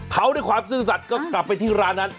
เขาด้วยความซื่อสัตว์ก็กลับไปที่ร้านนั้น